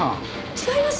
違います！